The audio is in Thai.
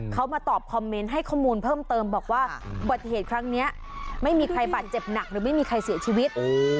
เขามาตอบคอมเมนต์ให้ข้อมูลเพิ่มเติมบอกว่าอุบัติเหตุครั้งนี้ไม่มีใครบาดเจ็บหนักหรือไม่มีใครเสียชีวิต